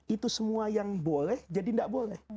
itu semua yang boleh jadi tidak boleh